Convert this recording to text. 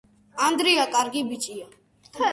ანდრია კარგი ბიჭია